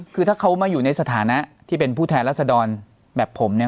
คือถ้าเขามาอยู่ในสถานะที่เป็นผู้แทนรัศดรแบบผมเนี่ย